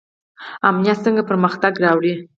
امنیت څنګه پرمختګ راوړي؟